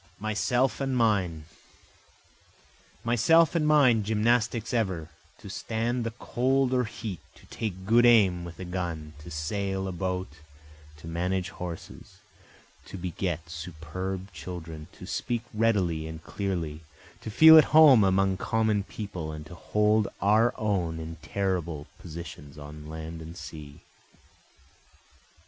Myself and Mine Myself and mine gymnastic ever, To stand the cold or heat, to take good aim with a gun, to sail a boat, to manage horses, to beget superb children, To speak readily and clearly, to feel at home among common people, And to hold our own in terrible positions on land and sea.